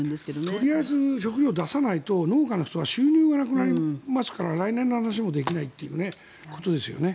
とりあえず食糧を出さないと農家の人は収入がなくなりますから来年の話もできないということですよね。